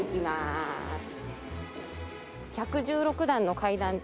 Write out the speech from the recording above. １１６段の階段。